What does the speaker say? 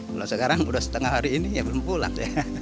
kalau sekarang sudah setengah hari ini ya belum pulang